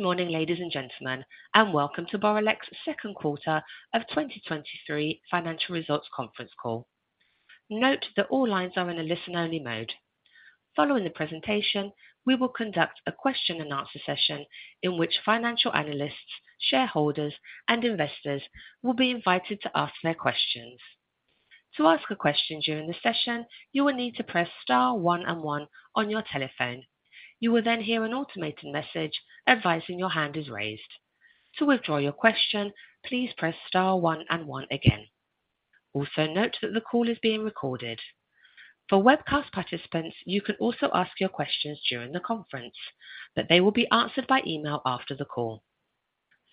Good morning, ladies and gentlemen, welcome to Boralex second quarter of 2023 financial results conference call. Note that all lines are in a listen-only mode. Following the presentation, we will conduct a question and answer session in which financial analysts, shareholders, and investors will be invited to ask their questions. To ask a question during the session, you will need to press star one and one on your telephone. You will hear an automated message advising your hand is raised. To withdraw your question, please press star one and one again. Note that the call is being recorded. For webcast participants, you can also ask your questions during the conference, they will be answered by email after the call.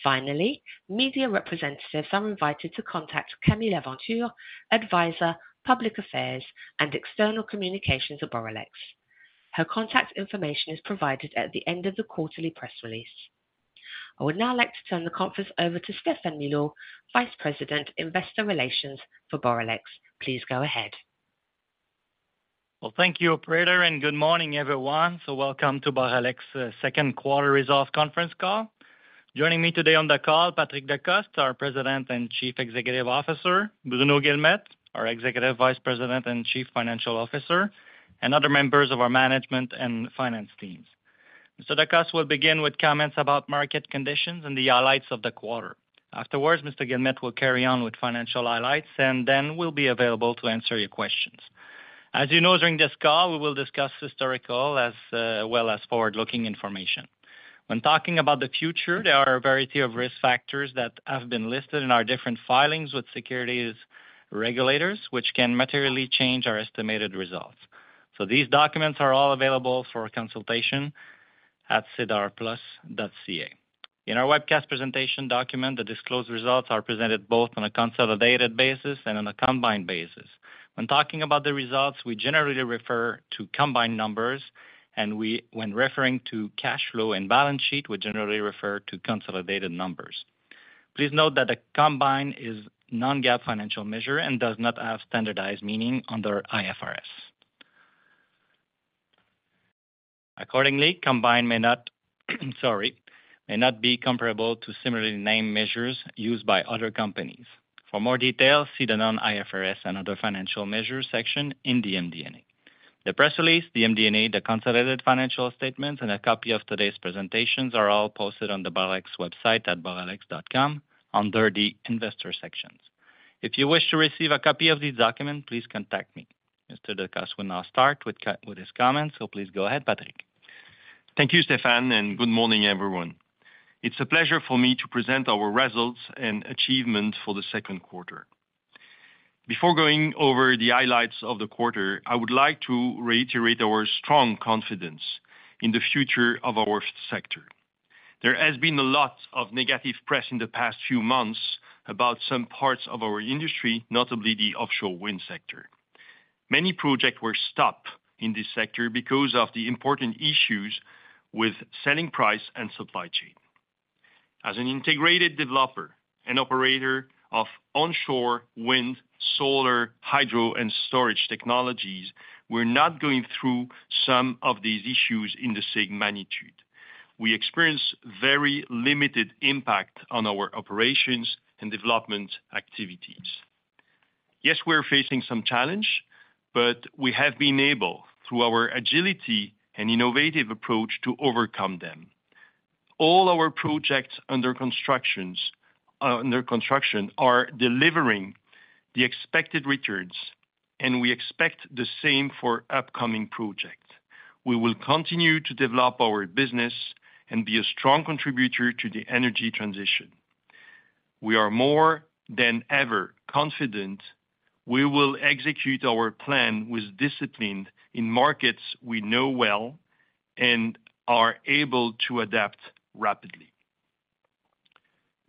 Media representatives are invited to contact Camille Aventure, Advisor, Public Affairs and External Communications at Boralex. Her contact information is provided at the end of the quarterly press release. I would now like to turn the conference over to Stéphane Milot, Vice President, Investor Relations for Boralex. Please go ahead. Well, thank you, operator, and good morning, everyone. Welcome to Boralex, second quarter results conference call. Joining me today on the call, Patrick Decostre, our President and Chief Executive Officer, Bruno Guilmette, our Executive Vice President and Chief Financial Officer, and other members of our management and finance teams. Decostre will begin with comments about market conditions and the highlights of the quarter. Afterwards, Mr. Guilmette will carry on with financial highlights, and then we'll be available to answer your questions. As you know, during this call, we will discuss historical as well as forward-looking information. When talking about the future, there are a variety of risk factors that have been listed in our different filings with securities regulators, which can materially change our estimated results. These documents are all available for consultation at sedarplus.ca. In our webcast presentation document, the disclosed results are presented both on a consolidated basis and on a combined basis. When talking about the results, we generally refer to combined numbers, and when referring to cash flow and balance sheet, we generally refer to consolidated numbers. Please note that the combined is non-GAAP financial measure and does not have standardized meaning under IFRS. Accordingly, combined may not, may not be comparable to similarly, name measures used by other companies. For more details, see the non-IFRS and other financial measures section in the MD&A. The press release, the MD&A, the consolidated financial statements, and a copy of today's presentations are all posted on the Boralex website at boralex.com, under the Investor sections. If you wish to receive a copy of this document, please contact me. Mr. Decostre will now start with with his comments, please go ahead, Patrick. Thank you, Stefan. Good morning, everyone. It's a pleasure for me to present our results and achievements for the second quarter. Before going over the highlights of the quarter, I would like to reiterate our strong confidence in the future of our sector. There has been a lot of negative press in the past few months about some parts of our industry, notably the offshore wind sector. Many projects were stopped in this sector because of the important issues with selling price and supply chain. As an integrated developer and operator of onshore wind, solar, hydro, and storage technologies, we're not going through some of these issues in the same magnitude. We experience very limited impact on our operations and development activities. Yes, we're facing some challenge. We have been able, through our agility and innovative approach, to overcome them. All our projects under construction are delivering the expected returns. We expect the same for upcoming projects. We will continue to develop our business and be a strong contributor to the energy transition. We are more than ever confident we will execute our plan with discipline in markets we know well and are able to adapt rapidly.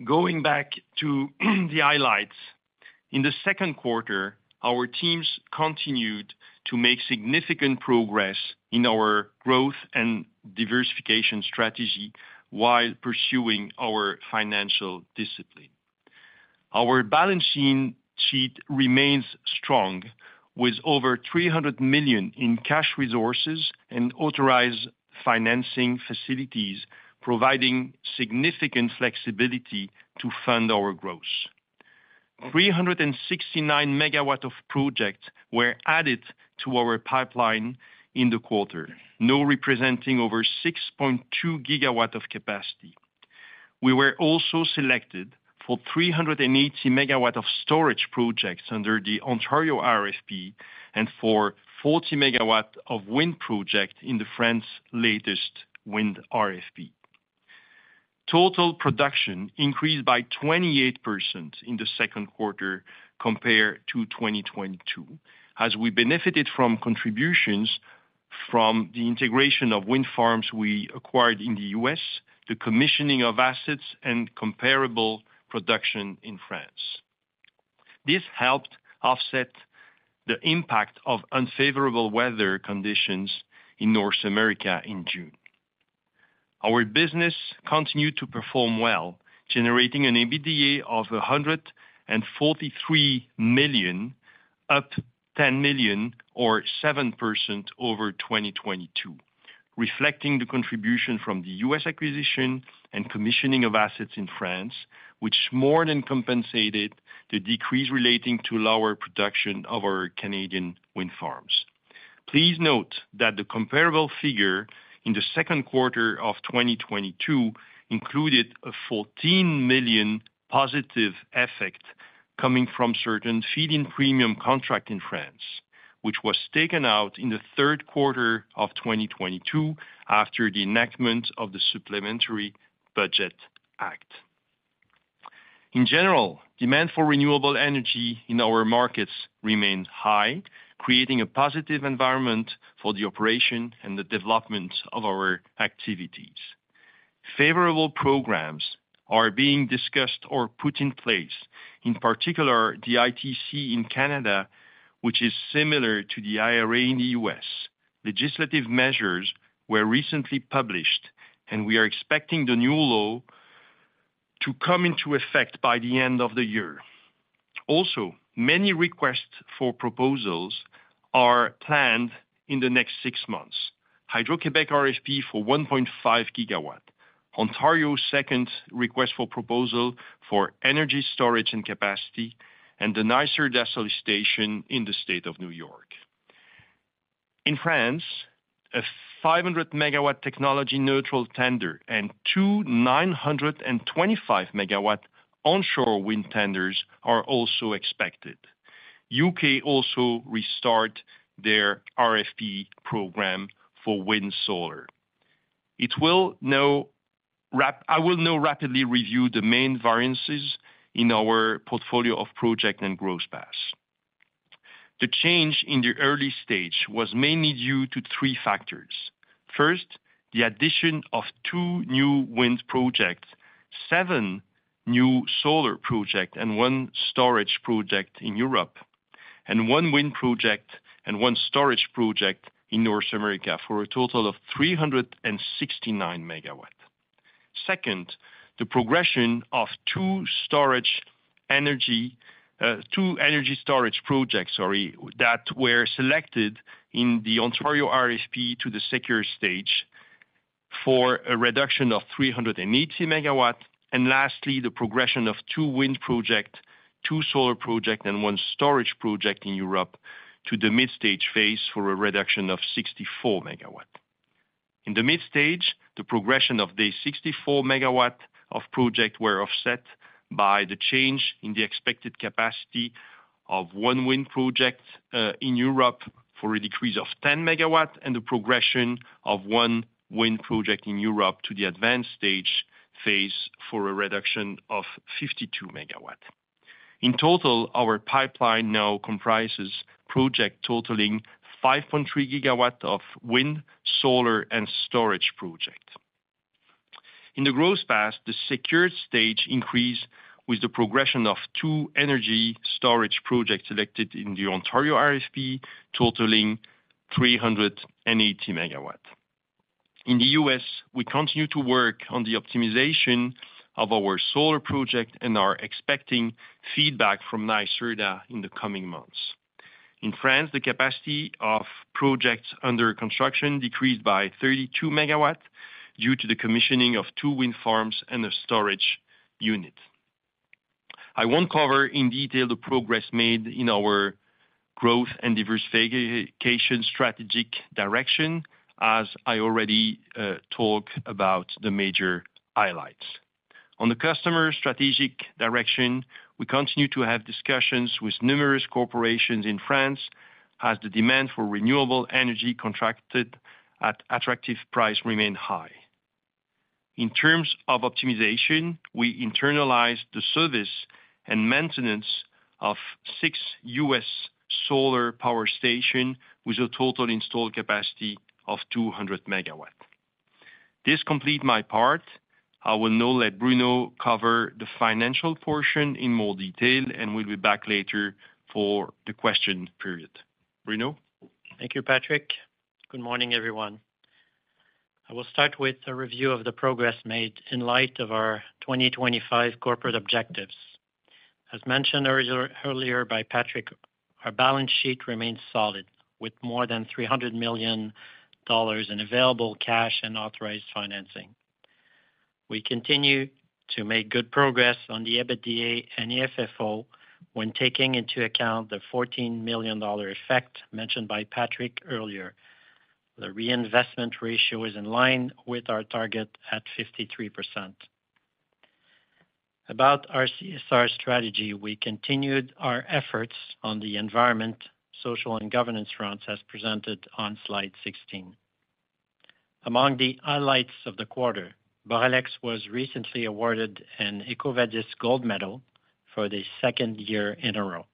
Going back to the highlights. In the second quarter, our teams continued to make significant progress in our growth and diversification strategy while pursuing our financial discipline. Our balance sheet remains strong, with over 300 million in cash resources and authorized financing facilities, providing significant flexibility to fund our growth. 369 MW of projects were added to our pipeline in the quarter, now representing over 6.2 GW of capacity. We were also selected for 380 MW of storage projects under the Ontario RFP and for 40 MW of wind project in France's latest wind RFP. Total production increased by 28% in the second quarter compared to 2022. We benefited from contributions from the integration of wind farms we acquired in the U.S., the commissioning of assets and comparable production in France. This helped offset the impact of unfavorable weather conditions in North America in June. Our business continued to perform well, generating an EBITDA of 143 million, up 10 million or 7% over 2022. Reflecting the contribution from the U.S. acquisition and commissioning of assets in France, which more than compensated the decrease relating to lower production of our Canadian wind farms. Please note that the comparable figure in the second quarter of 2022 included a 14 million positive effect coming from certain feed-in premium contract in France, which was taken out in the third quarter of 2022 after the enactment of the Supplementary Budget Act. In general, demand for renewable energy in our markets remain high, creating a positive environment for the operation and the development of our activities. Favorable programs are being discussed or put in place, in particular, the ITC in Canada, which is similar to the IRA in the U.S. Legislative measures were recently published, we are expecting the new law to come into effect by the end of the year. Also, many requests for proposals are planned in the next 6 months. Hydro-Québec RFP for 1.5 GW, Ontario second request for proposal for energy storage and capacity. The NYSERDA solicitation in the state of New York. In France, a 500 MW technology-neutral tender and two 925 MW onshore wind tenders are also expected. U.K. also restart their RFP program for wind solar. I will now rapidly review the main variances in our portfolio of project and growth paths. The change in the early stage was mainly due to three factors. First, the addition of two new wind projects, seven new solar project, and one storage project in Europe, and one wind project and one storage project in North America for a total of 369 megawatt. Second, the progression of 2 storage energy, two energy storage projects, sorry, that were selected in the Ontario RFP to the secure stage for a reduction of 380 MW. Lastly, the progression of 2 wind project, 2 solar project, and 1 storage project in Europe to the midstage phase for a reduction of 64 MW. In the midstage, the progression of the 64 MW of project were offset by the change in the expected capacity of 1 wind project in Europe for a decrease of 10 MW, and the progression of 1 wind project in Europe to the advanced stage phase for a reduction of 52 MW. In total, our pipeline now comprises project totaling 5.3 GW of wind, solar, and storage project. In the growth path, the secured stage increase with the progression of two energy storage projects selected in the Ontario RFP, totaling 380 MW. In the U.S., we continue to work on the optimization of our solar project and are expecting feedback from NYSERDA in the coming months. In France, the capacity of projects under construction decreased by 32 MW due to the commissioning of two wind farms and a storage unit. I won't cover in detail the progress made in our growth and diversification strategic direction, as I already talked about the major highlights. On the customer strategic direction, we continue to have discussions with numerous corporations in France as the demand for renewable energy contracted at attractive price remained high. In terms of optimization, we internalized the service and maintenance of six U.S. solar power station with a total installed capacity of 200 MW. This complete my part. I will now let Bruno cover the financial portion in more detail, and we'll be back later for the question period. Bruno? Thank you, Patrick. Good morning, everyone. I will start with a review of the progress made in light of our 2025 corporate objectives. As mentioned earlier by Patrick, our balance sheet remains solid, with more than 300 million dollars in available cash and authorized financing. We continue to make good progress on the EBITDA and FFO when taking into account the 14 million dollar effect mentioned by Patrick earlier. The reinvestment ratio is in line with our target at 53%. About our CSR strategy, we continued our efforts on the environment, social, and governance fronts, as presented on Slide 16. Among the highlights of the quarter, Boralex was recently awarded an EcoVadis gold medal for the second year in a row.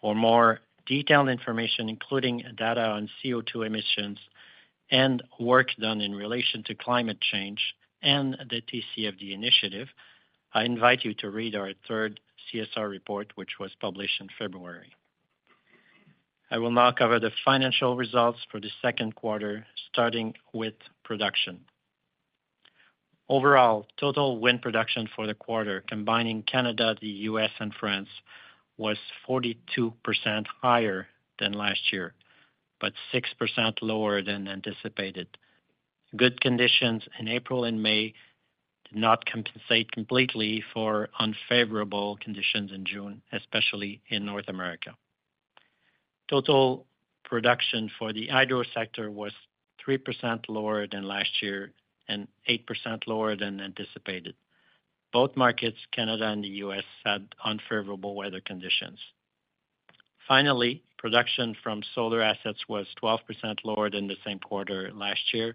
For more detailed information, including data on CO2 emissions and work done in relation to climate change and the TCFD initiative, I invite you to read our third CSR report, which was published in February. I will now cover the financial results for the second quarter, starting with production. Overall, total wind production for the quarter, combining Canada, the U.S., and France, was 42% higher than last year, but 6% lower than anticipated. Good conditions in April and May did not compensate completely for unfavorable conditions in June, especially in North America. Total production for the hydro sector was 3% lower than last year and 8% lower than anticipated. Both markets, Canada and the U.S., had unfavorable weather conditions. Finally, production from solar assets was 12% lower than the same quarter last year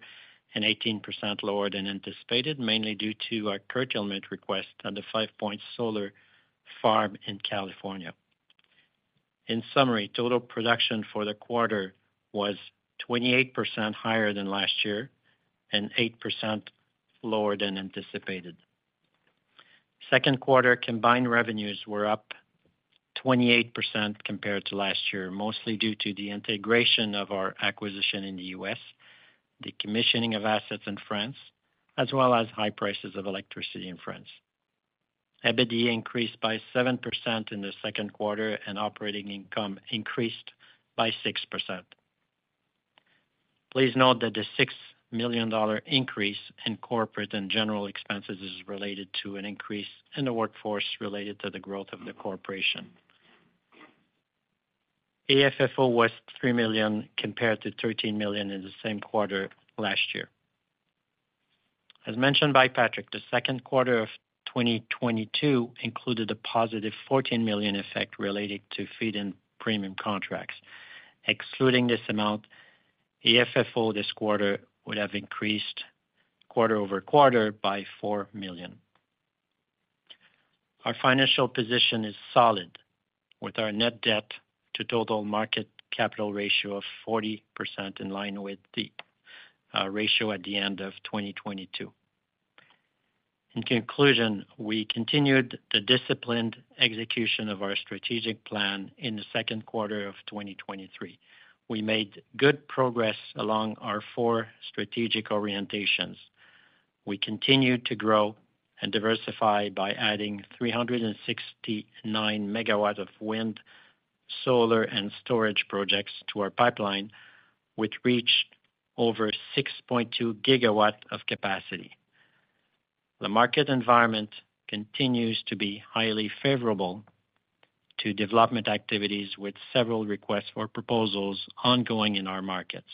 and 18% lower than anticipated, mainly due to a curtailment request on the Five Points Solar Farm in California. In summary, total production for the quarter was 28% higher than last year and 8% lower than anticipated. Second quarter combined revenues were up 28% compared to last year, mostly due to the integration of our acquisition in the U.S., the commissioning of assets in France, as well as high prices of electricity in France. EBITDA increased by 7% in the second quarter, and operating income increased by 6%. Please note that the $6 million increase in corporate and general expenses is related to an increase in the workforce related to the growth of the corporation. AFFO was 3 million, compared to 13 million in the same quarter last year. As mentioned by Patrick, the second quarter of 2022 included a positive 14 million effect related to feed-in premium contracts. Excluding this amount, AFFO this quarter would have increased quarter-over-quarter by 4 million. Our financial position is solid, with our net debt to total market capital ratio of 40%, in line with the ratio at the end of 2022. In conclusion, we continued the disciplined execution of our strategic plan in the second quarter of 2023. We made good progress along our four strategic orientations. We continued to grow and diversify by adding 369 MW of wind, solar, and storage projects to our pipeline, which reached over 6.2 GW of capacity. The market environment continues to be highly favorable to development activities, with several requests for proposals ongoing in our markets.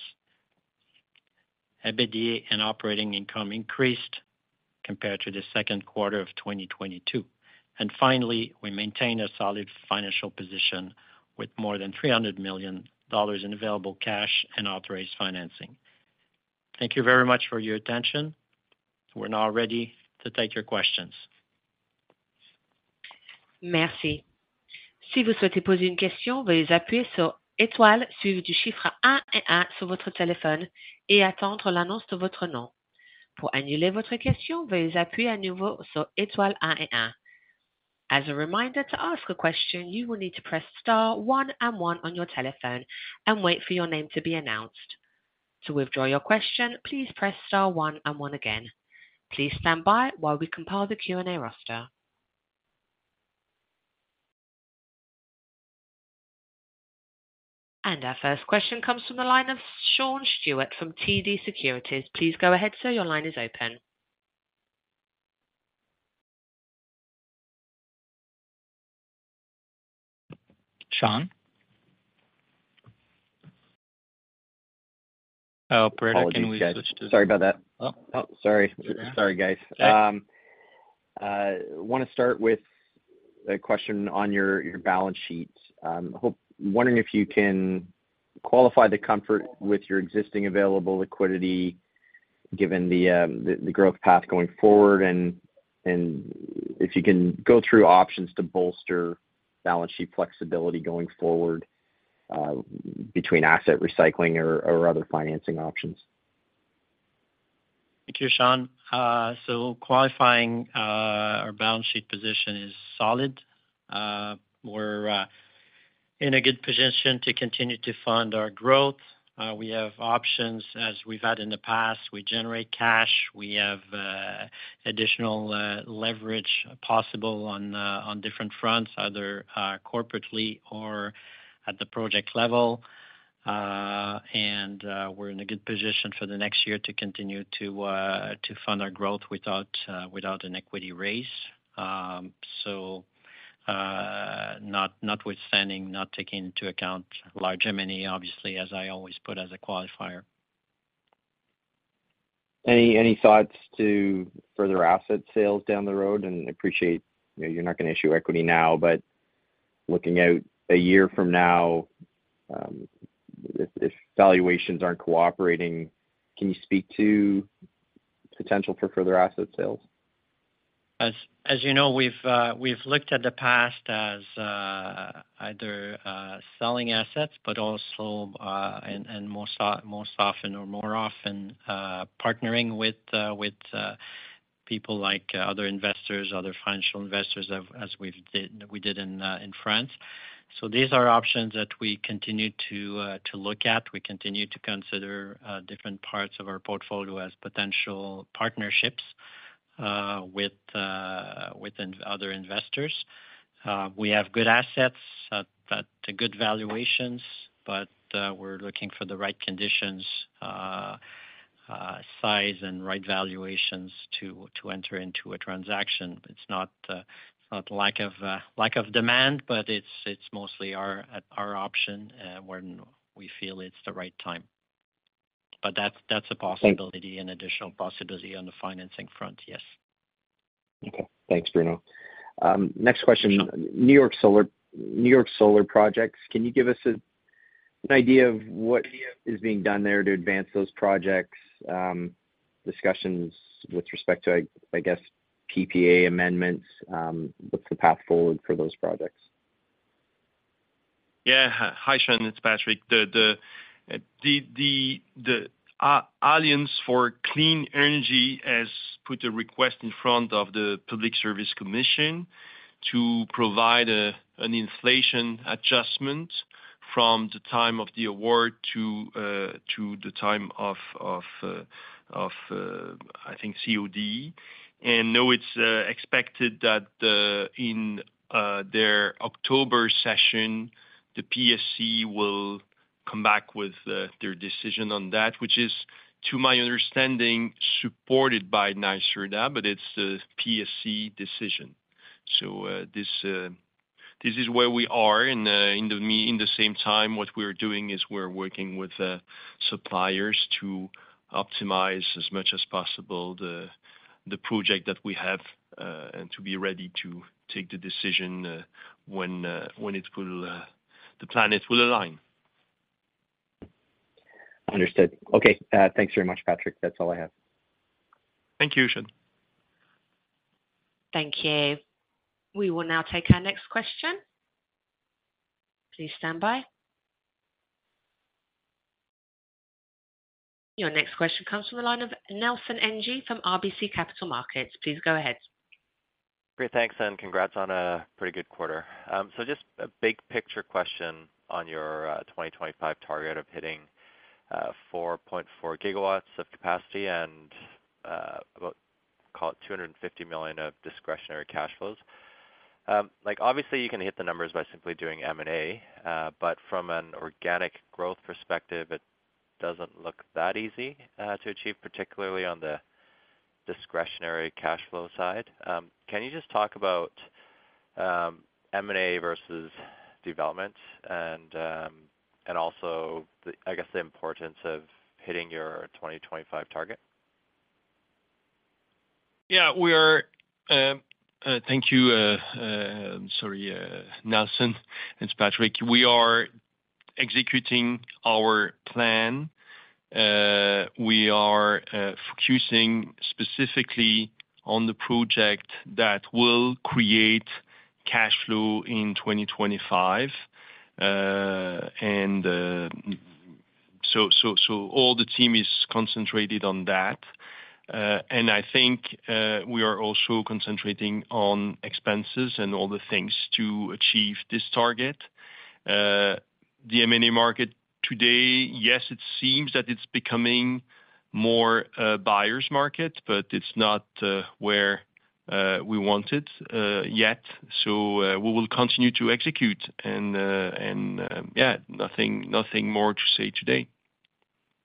EBITDA and operating income increased compared to the second quarter of 2022. Finally, we maintain a solid financial position with more than $300 million in available cash and authorized financing. Thank you very much for your attention. We're now ready to take your questions. Merci. As a reminder, to ask a question, you will need to press star one and one on your telephone and wait for your name to be announced. To withdraw your question, please press star one and one again. Please stand by while we compile the Q&A roster. Our first question comes from the line of Sean Steuart from TD Securities. Please go ahead, sir. Your line is open. Sean? Oh, can we switch to- Sorry about that. Oh, oh. Sorry. Sorry, guys. Yeah. I want to start with a question on your, your balance sheet. Wondering if you can qualify the comfort with your existing available liquidity, given the, the growth path going forward, and if you can go through options to bolster balance sheet flexibility going forward, between asset recycling or other financing options. Thank you, Sean. So qualifying, our balance sheet position is solid. We're in a good position to continue to fund our growth. We have options, as we've had in the past. We generate cash. We have additional leverage possible on different fronts, either corporately or at the project level. We're in a good position for the next year to continue to fund our growth without without an equity raise. Not, notwithstanding, not taking into account large M&A, obviously, as I always put as a qualifier. Any, any thoughts to further asset sales down the road? Appreciate, you're not going to issue equity now, but looking out a year from now, if, if valuations aren't cooperating, can you speak to potential for further asset sales? As, as you know, we've, we've looked at the past as, either, selling assets, but also, and, and more so more often or more often, partnering with, with, people like other investors, other financial investors, as we've did we did in, in France. These are options that we continue to, to look at. We continue to consider, different parts of our portfolio as potential partnerships, with, with other investors. We have good assets at, at good valuations, but, we're looking for the right conditions, size and right valuations to, to enter into a transaction. It's not, it's not lack of, lack of demand, but it's, it's mostly our at our option, when we feel it's the right time. That's, that's a possibility, an additional possibility on the financing front, yes. Okay. Thanks, Bruno. Next question. New York Solar projects, can you give us an idea of what is being done there to advance those projects, discussions with respect to, I, I guess, PPA amendments? What's the path forward for those projects? Yeah. Hi, Sean, it's Patrick. The Alliance for Clean Energy has put a request in front of the Public Service Commission to provide an inflation adjustment from the time of the award to the time of I think COD. Now it's expected that in their October session, the PSC will come back with their decision on that, which is, to my understanding, supported by NYSERDA, but it's a PSC decision. This is where we are, and in the same time, what we're doing is we're working with suppliers to optimize as much as possible the project that we have, and to be ready to take the decision when it will, the planets will align. Understood. Okay, thanks very much, Patrick. That's all I have. Thank you, Sean. Thank you. We will now take our next question. Please stand by. Your next question comes from the line of Nelson Ng from RBC Capital Markets. Please go ahead. Great, thanks, and congrats on a pretty good quarter. Just a big picture question on your 2025 target of hitting 4.4 GW of capacity and about, call it $250 million of discretionary cash flows. Like, obviously, you can hit the numbers by simply doing M&A, but from an organic growth perspective, it doesn't look that easy to achieve, particularly on the discretionary cash flow side. Can you just talk about M&A versus development and also the, I guess, the importance of hitting your 2025 target? Yeah, we are. Thank you, sorry, Nelson, it's Patrick. We are executing our plan. We are focusing specifically on the project that will create cash flow in 2025. All the team is concentrated on that. I think we are also concentrating on expenses and all the things to achieve this target. The M&A market today, yes, it seems that it's becoming more a buyer's market, it's not where we want it yet. We will continue to execute, and yeah, nothing, nothing more to say today.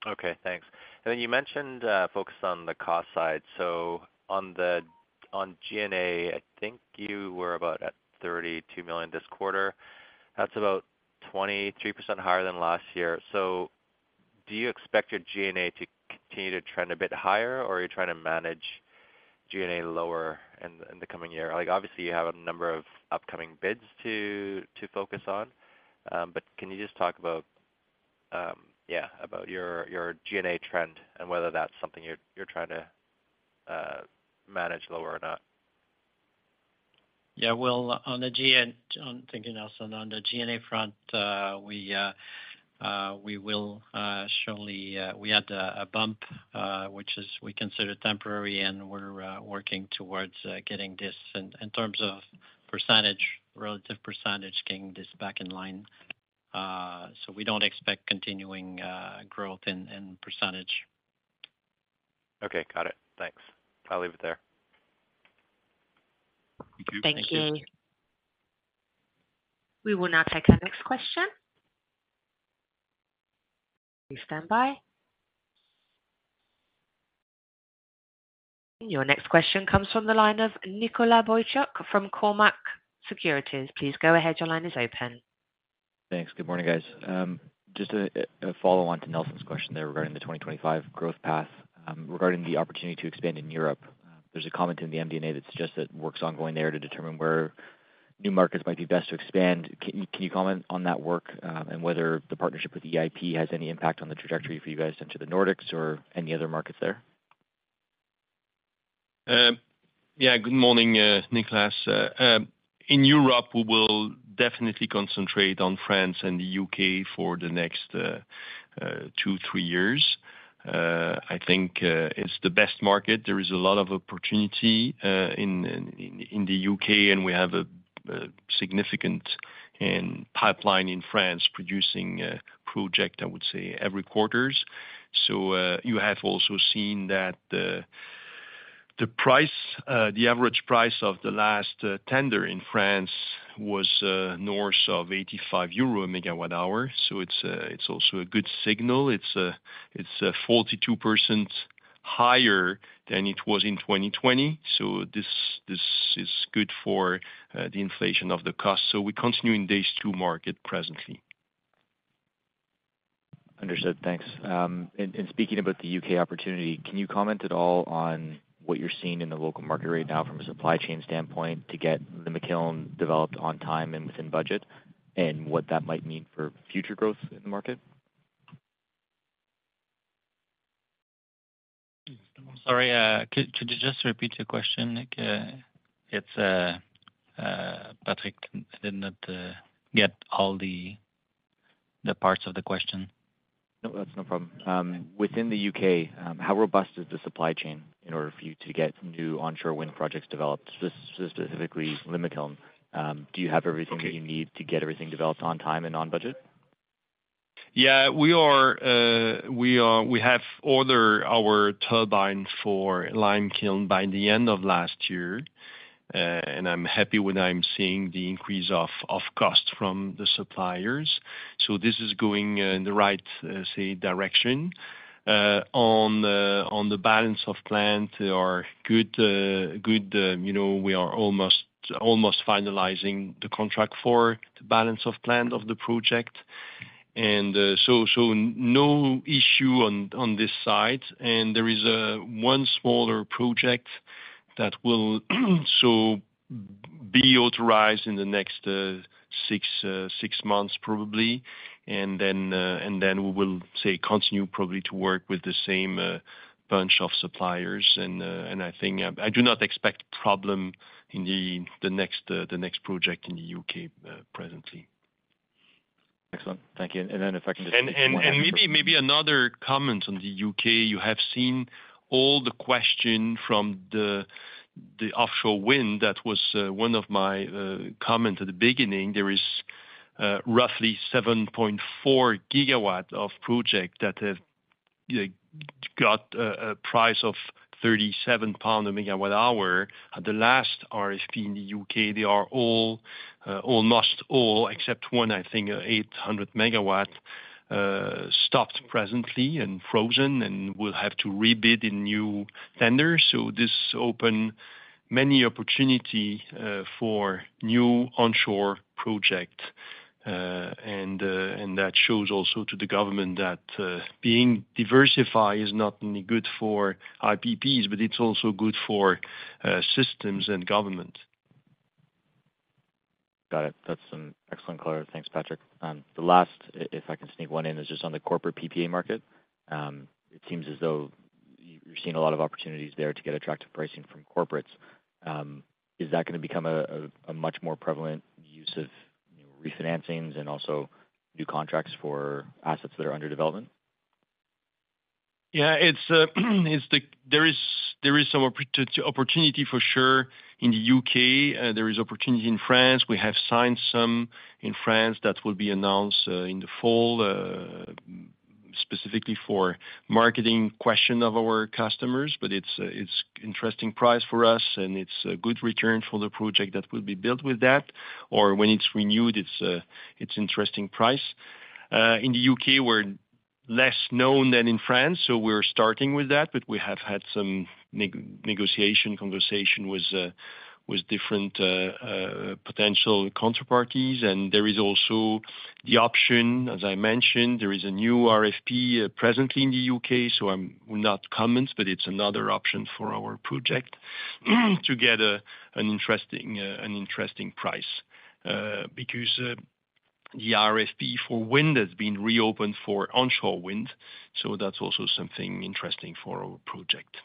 Okay, thanks. You mentioned, focus on the cost side. On G&A, I think you were about at 32 million this quarter. That's about 23% higher than last year. Do you expect your G&A to continue to trend a bit higher, or are you trying to manage G&A lower in the coming year? Like, obviously, you have a number of upcoming bids to focus on, but can you just talk about, yeah, about your, your G&A trend and whether that's something you're, you're trying to manage lower or not? Yeah, well, on the G&A front. Thank you, Nelson. On the G&A front, we, we will surely, we had a bump, which is we consider temporary, and we're working towards getting this in, in terms of percentage, relative percentage, getting this back in line. We don't expect continuing growth in percentage. Okay, got it. Thanks. I'll leave it there. Thank you. Thank you. We will now take our next question. Please stand by. Your next question comes from the line of Nicholas Boychuk from Cormark Securities. Please go ahead, your line is open. Thanks. Good morning, guys. Just a, a follow-on to Nelson's question there regarding the 2025 growth path. Regarding the opportunity to expand in Europe, there's a comment in the MD&A that suggests that work's ongoing there to determine where new markets might be best to expand. Can you, can you comment on that work and whether the partnership with EIP has any impact on the trajectory for you guys into the Nordics or any other markets there? Yeah, good morning, Nicholas. In Europe, we will definitely concentrate on France and the U.K. for the next two, three years. I think it's the best market. There is a lot of opportunity in the U.K., and we have a significant pipeline in France, producing a project, I would say, every quarters. You have also seen that the price, the average price of the last tender in France was north of 85 euro megawatt hour. It's also a good signal. It's 42% higher than it was in 2020, this is good for the inflation of the cost. We're continuing these two market presently. Understood, thanks. Speaking about the U.K. opportunity, can you comment at all on what you're seeing in the local market right now from a supply chain standpoint, to get the Limekiln developed on time and within budget, and what that might mean for future growth in the market? Sorry, could you just repeat your question, Nick? It's Patrick, I did not get all the parts of the question. No, that's no problem. Within the U.K., how robust is the supply chain in order for you to get new onshore wind projects developed, specifically the Limekiln? Do you have everything- Okay. you need to get everything developed on time and on budget? Yeah, we are, we are, we have ordered our turbine for Limekiln by the end of last year. I'm happy when I'm seeing the increase of, of cost from the suppliers, so this is going in the right, say, direction. On the, on the balance of plant, we are good, good, you know, we are almost, almost finalizing the contract for the balance of plant of the project. So no issue on, on this side. There is one smaller project that will so be authorized in the next 6 months, probably. Then we will, say, continue probably to work with the same bunch of suppliers. I think... I do not expect problem in the, the next project in the UK, presently. Excellent, thank you. Then if I can just- Maybe, maybe another comment on the U.K.. You have seen all the question from the, the offshore wind. That was one of my comment at the beginning. There is roughly 7.4 GW of project that have got a price of 37 pound a MWh. At the last RFP in the U.K., they are all, almost all, except one, I think 800 MW, stopped presently and frozen and will have to rebid in new tenders. This open many opportunity for new onshore project. That shows also to the government that being diversified is not only good for IPPs, but it's also good for systems and government. Got it. That's some excellent color. Thanks, Patrick. The last, if I can sneak one in, is just on the corporate PPA market. It seems as though you're seeing a lot of opportunities there to get attractive pricing from corporates. Is that gonna become a much more prevalent use of refinancings and also new contracts for assets that are under development? Yeah, it's opportunity for sure in the U.K., there is opportunity in France. We have signed some in France that will be announced in the fall, specifically for marketing question of our customers. But it's a, it's interesting price for us, and it's a good return for the project that will be built with that, or when it's renewed, it's a, it's interesting price. In the U.K., we're less known than in France, so we're starting with that, but we have had some negotiation conversation with different potential counterparties. There is also the option, as I mentioned, there is a new RFP, presently in the U.K., so I'm not comments, but it's another option for our project, to get an interesting, an interesting price. Because the RFP for wind has been reopened for onshore wind, so that's also something interesting for our project.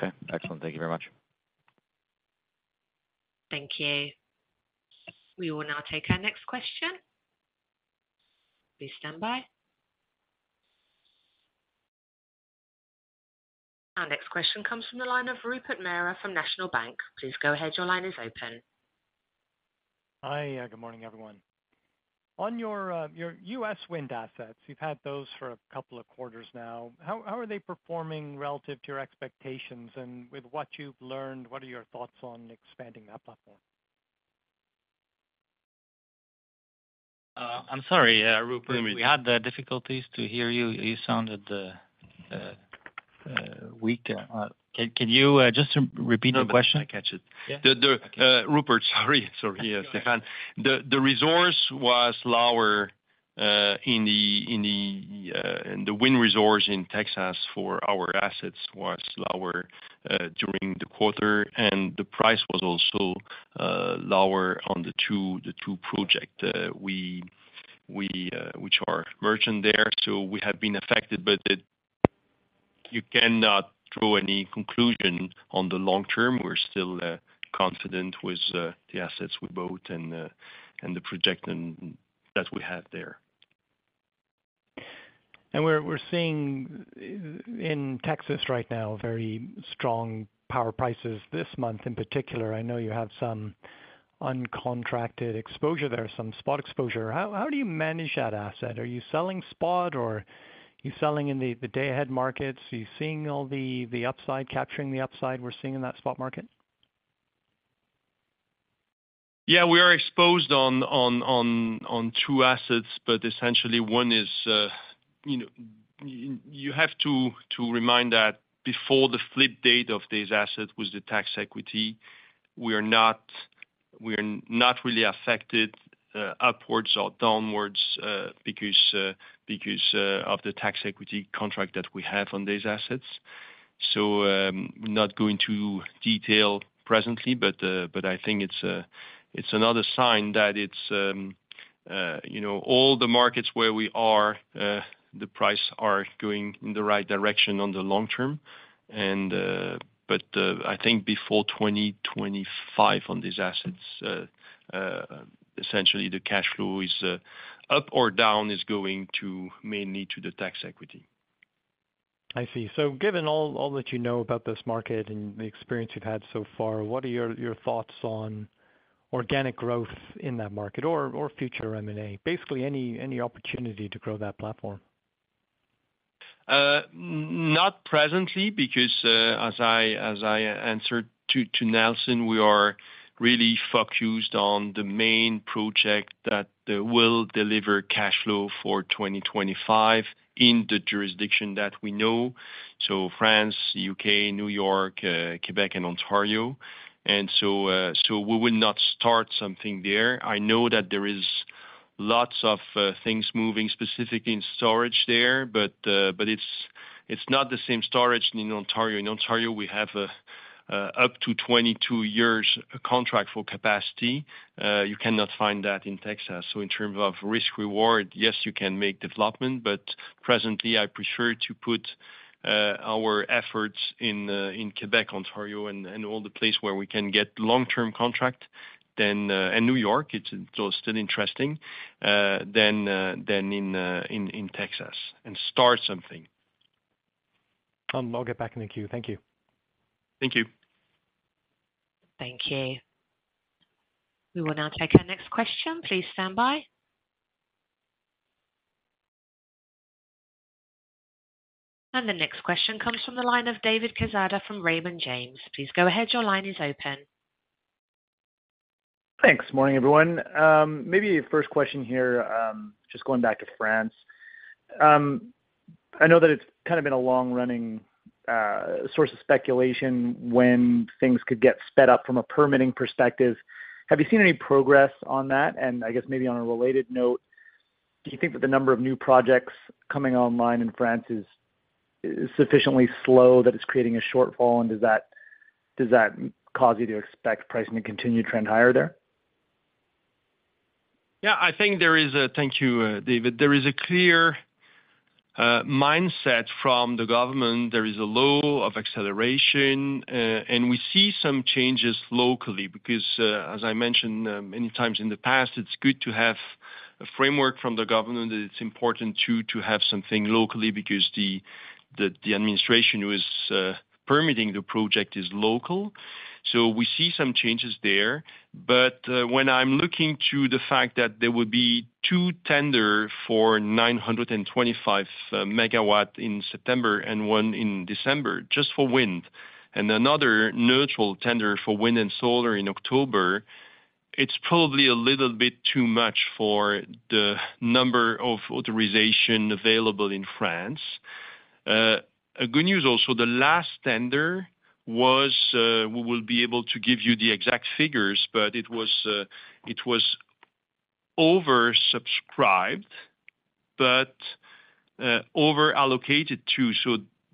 Okay, excellent. Thank you very much. Thank you. We will now take our next question. Please stand by. Our next question comes from the line of Rupert Merer from National Bank. Please go ahead, your line is open. Hi, good morning, everyone. On your, your US wind assets, you've had those for a couple of quarters now. How, how are they performing relative to your expectations? With what you've learned, what are your thoughts on expanding that platform? I'm sorry, Rupert, we had the difficulties to hear you. You sounded weak. Can you just repeat the question? No, I catch it. Yeah. The Rupert, sorry. Sorry, yeah, Stefan. The resource was lower in the wind resource in Texas for our assets was lower during the quarter, and the price was also lower on the two, the two project we, which are merchant there. We have been affected, but it. You cannot draw any conclusion on the long term. We're still confident with the assets we built and the project and that we have there.... we're, we're seeing in Texas right now, very strong power prices this month in particular. I know you have some uncontracted exposure there, some spot exposure. How, how do you manage that asset? Are you selling spot or you selling in the, the day ahead markets? Are you seeing all the, the upside, capturing the upside we're seeing in that spot market? Yeah, we are exposed on, on, on, on two assets, but essentially one is, you know, you have to remind that before the flip date of this asset was the tax equity. We are not, we are not really affected, upwards or downwards, because of the tax equity contract that we have on these assets. Not going to detail presently, but I think it's another sign that it's, you know, all the markets where we are, the price are going in the right direction on the long term. I think before 2025 on these assets, essentially the cash flow is up or down, is going to mainly to the tax equity. I see. Given all, all that you know about this market and the experience you've had so far, what are your, your thoughts on organic growth in that market or, or future M&A? Basically, any, any opportunity to grow that platform. Not presently, because as I answered to Nelson, we are really focused on the main project that will deliver cash flow for 2025 in the jurisdiction that we know. France, U.K., New York, Quebec, and Ontario. We will not start something there. I know that there is lots of things moving, specifically in storage there, it's not the same storage in Ontario. In Ontario, we have up to 22 years contract for capacity. You cannot find that in Texas. In terms of risk reward, yes, you can make development, but presently, I prefer to put our efforts in Quebec, Ontario, and all the places where we can get long-term contract, then, and New York, it's still interesting, than than in Texas and start something. I'll get back in the queue. Thank you. Thank you. Thank you. We will now take our next question. Please stand by. The next question comes from the line of David Quezada from Raymond James. Please go ahead, your line is open. Thanks. Morning, everyone. Maybe first question here, just going back to France. I know that it's kind of been a long-running source of speculation when things could get sped up from a permitting perspective. Have you seen any progress on that? I guess maybe on a related note, do you think that the number of new projects coming online in France is sufficiently slow, that it's creating a shortfall? Does that, does that cause you to expect pricing to continue to trend higher there? Yeah, I think. Thank you, David. There is a clear mindset from the government. There is a law of acceleration. We see some changes locally, because as I mentioned many times in the past, it's good to have a framework from the government. It's important, too, to have something locally, because the administration who is permitting the project is local. We see some changes there. When I'm looking to the fact that there will be two tender for 925 MW in September and one in December, just for wind, and another neutral tender for wind and solar in October, it's probably a little bit too much for the number of authorization available in France. A good news also, the last tender was, we will be able to give you the exact figures, but it was, it was oversubscribed, but over-allocated, too.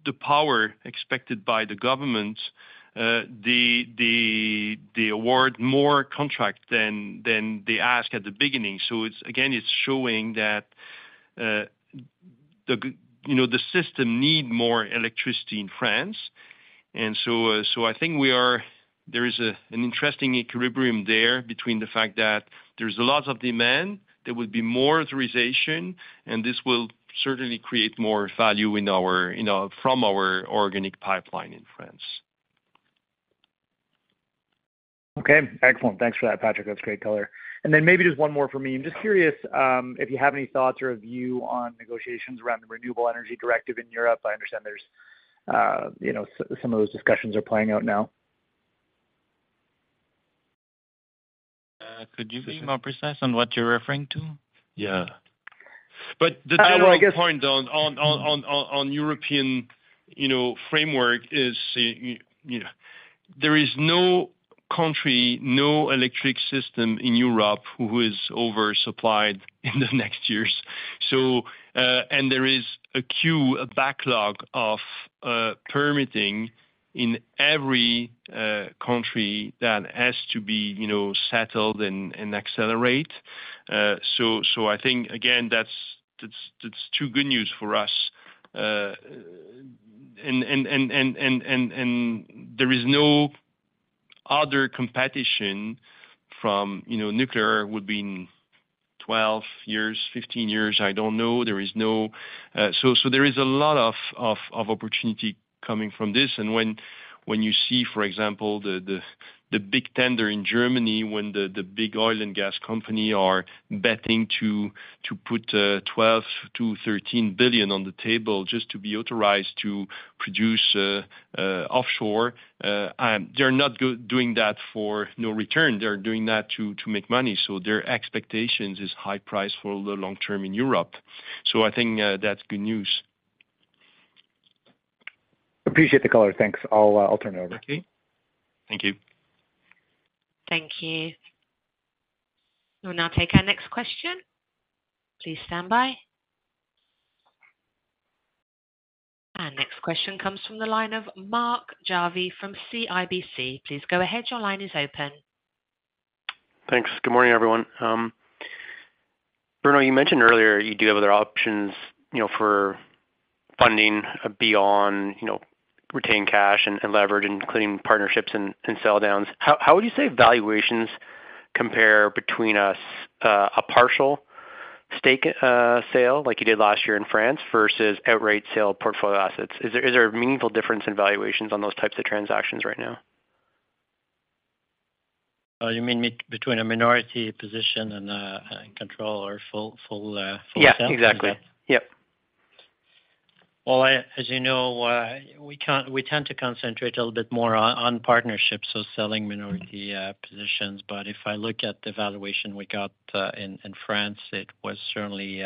The power expected by the government, the, the, the award more contract than, than they ask at the beginning. It's, again, it's showing that, the, you know, the system need more electricity in France. So I think we are-- there is an interesting equilibrium there between the fact that there's a lot of demand, there will be more authorization, and this will certainly create more value in our, you know, from our organic pipeline in France. Okay, excellent! Thanks for that, Patrick. That's great color. Maybe just one more for me. I'm just curious, if you have any thoughts or a view on negotiations around the Renewable Energy Directive in Europe. I understand there's, you know, some of those discussions are playing out now. could you be more precise on what you're referring to? Yeah. The general point on European, you know, framework is, you know, there is no country, no electric system in Europe who is oversupplied in the next years. There is a queue, a backlog of permitting in every country that has to be, you know, settled and accelerate. I think, again, that's, that's, that's two good news for us. There is no other competition from, you know, nuclear would be in 12 years, 15 years, I don't know. There is no, there is a lot of opportunity coming from this. When, when you see, for example, the big tender in Germany when the big oil and gas company are betting to put 12 billion-13 billion on the table just to be authorized to produce offshore, and they're not doing that for no return. They're doing that to make money, so their expectations is high price for the long term in Europe. I think that's good news. Appreciate the call. Thanks. I'll, I'll turn it over. Okay, thank you. Thank you. We'll now take our next question. Please stand by. Next question comes from the line of Mark Jarvi from CIBC. Please go ahead. Your line is open. Thanks. Good morning, everyone. Bruno, you mentioned earlier you do have other options, you know, for funding beyond, you know, retained cash and, and leverage, including partnerships and, and sell downs. How, how would you say valuations compare between a partial stake sale, like you did last year in France versus outright sale portfolio assets? Is there, is there a meaningful difference in valuations on those types of transactions right now? you mean between a minority position and control or full, full, full sale? Yeah, exactly. Yep. Well, I, as you know, we tend to concentrate a little bit more on, on partnerships, so selling minority positions. If I look at the valuation we got, in France, it was certainly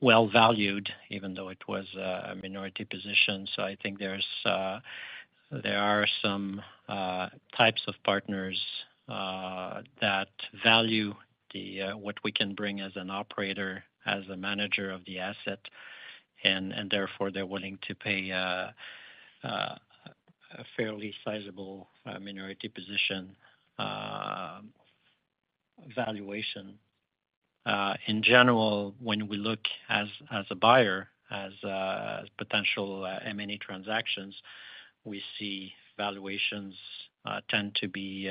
well valued, even though it was a minority position. I think there's, there are some types of partners that value the what we can bring as an operator, as a manager of the asset, and, and therefore, they're willing to pay a fairly sizable minority position valuation. In general, when we look as, as a buyer, as potential M&A transactions, we see valuations tend to be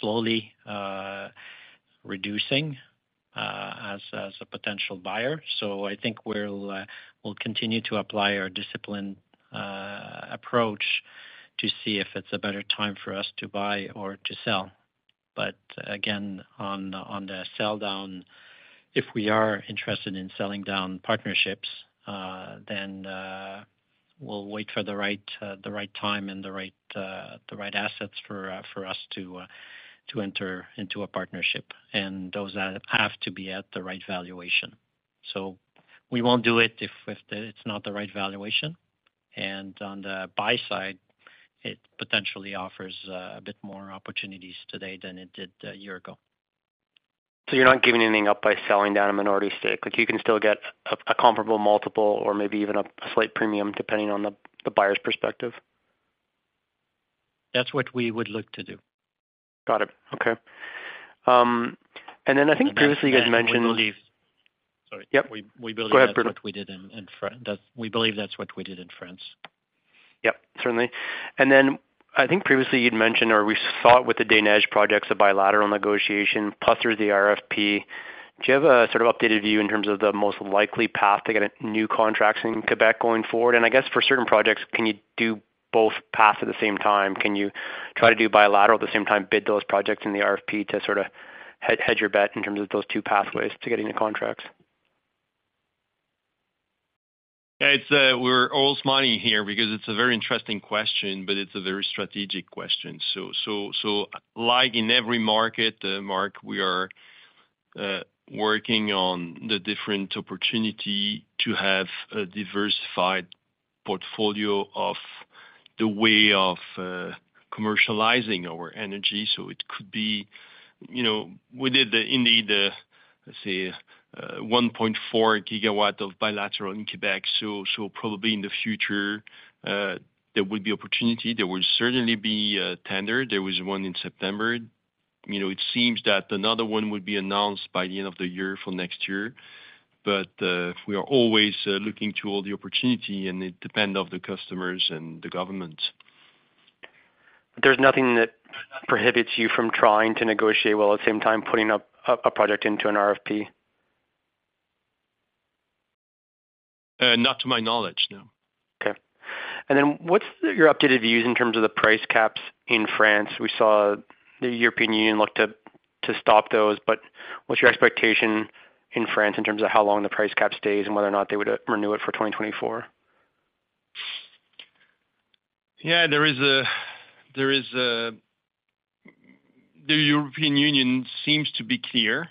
slowly reducing as a potential buyer. I think we'll, we'll continue to apply our discipline approach to see if it's a better time for us to buy or to sell. Again, on the, on the sell down, if we are interested in selling down partnerships, then, we'll wait for the right, the right time and the right, the right assets for, for us to, to enter into a partnership. Those have to be at the right valuation. We won't do it if, if it's not the right valuation. On the buy side, it potentially offers a bit more opportunities today than it did a year ago. You're not giving anything up by selling down a minority stake? Like, you can still get a, a comparable multiple or maybe even a, a slight premium, depending on the, the buyer's perspective. That's what we would look to do. Got it. Okay. I think previously you guys mentioned. Sorry. Yep. We believe. Go ahead, Bruno. That's what we did in, in France. That we believe that's what we did in France. Yep, certainly. I think previously you'd mentioned, or we saw it with the Des Neiges projects, a bilateral negotiation, plus through the RFP. Do you have a sort of updated view in terms of the most likely path to get a new contracts in Quebec going forward? I guess for certain projects, can you do both paths at the same time? Can you try to do bilateral at the same time, bid those projects in the RFP to sort of hedge your bet in terms of those two pathways to getting the contracts? It's, we're all smiling here because it's a very interesting question, but it's a very strategic question. Like in every market, Mark, we are working on the different opportunity to have a diversified portfolio of the way of commercializing our energy. So it could be, you know, we did indeed, let's say, 1.4 GW of bilateral in Quebec. Probably in the future, there would be opportunity. There would certainly be a tender. There was one in September. You know, it seems that another one would be announced by the end of the year for next year. We are always looking to all the opportunity and it depend on the customers and the government. There's nothing that prohibits you from trying to negotiate while at the same time putting up a, a project into an RFP? Not to my knowledge, no. Okay. Then, what's your updated views in terms of the price caps in France? We saw the European Union look to stop those, what's your expectation in France in terms of how long the price cap stays and whether or not they would renew it for 2024? Yeah, there is a. The European Union seems to be clear.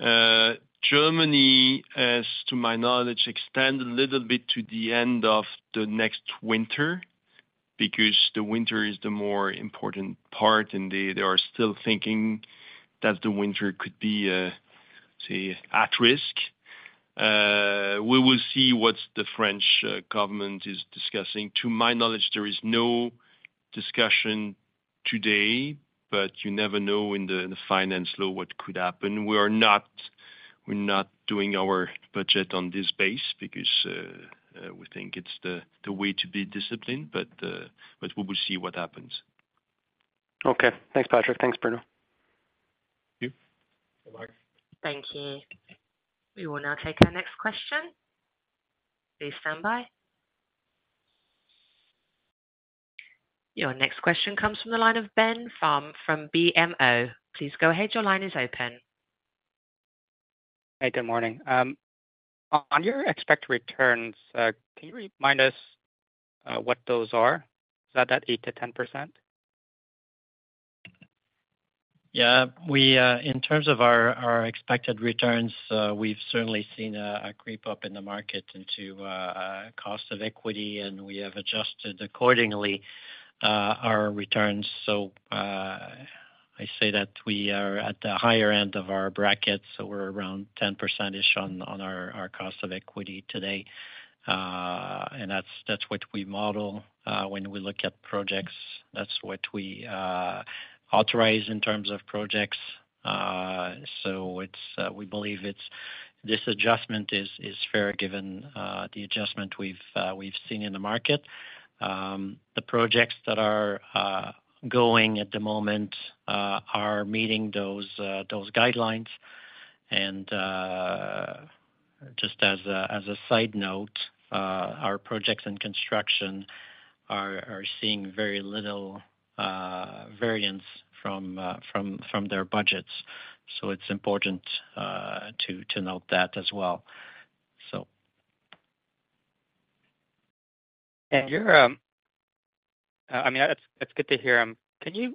Germany, as to my knowledge, extend a little bit to the end of the next winter, because the winter is the more important part, and they are still thinking that the winter could be, say, at risk. We will see what's the French government is discussing. To my knowledge, there is no discussion today. You never know in the finance law what could happen. We're not doing our budget on this base because we think it's the way to be disciplined, but we will see what happens. Okay. Thanks, Patrick. Thanks, Bruno. Thank you. Bye-bye. Thank you. We will now take our next question. Please stand by. Your next question comes from the line of Ben from BMO. Please go ahead, your line is open. Hey, good morning. On your expected returns, can you remind us, what those are? Is that that 8%-10%? Yeah, we, in terms of our expected returns, we've certainly seen a creep up in the market into a cost of equity, and we have adjusted accordingly, our returns. I say that we are at the higher end of our bracket, so we're around 10%-ish on our cost of equity today. That's what we model when we look at projects. That's what we authorize in terms of projects. We believe this adjustment is fair, given the adjustment we've seen in the market. The projects that are going at the moment are meeting those guidelines. Just as a, as a side note, our projects and construction are, are seeing very little variance from, from, from their budgets, so it's important to, to note that as well. So... You're, I mean, that's, that's good to hear. Can you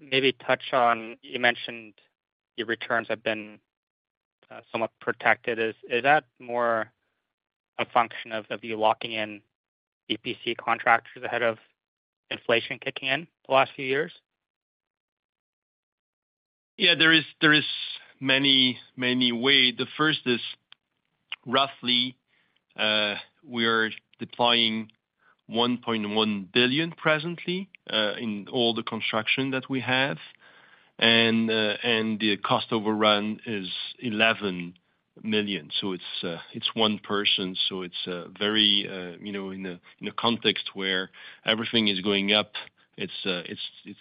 maybe touch on, you mentioned your returns have been somewhat protected. Is that more a function of you locking in EPC contracts ahead of inflation kicking in the last few years? Yeah, there is, there is many, many way. The first is roughly, we are deploying 1.1 billion presently, in all the construction that we have. The cost overrun is 11 million, so it's, it's one person. It's, very, you know, in a, in a context where everything is going up, it's, it's, it's,